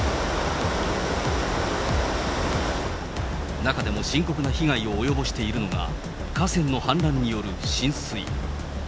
中でも深刻な被害を及ぼしているのが、河川の氾濫による浸水。